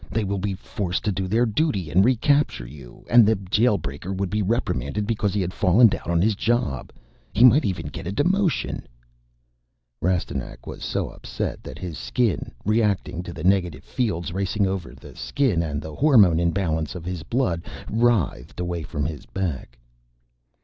They will be forced to do their duty and recapture you. And the Jail breaker would be reprimanded because he had fallen down on his job. He might even get a demotion." Rastignac was so upset that his Skin, reacting to the negative fields racing over the Skin and the hormone imbalance of his blood, writhed away from his back.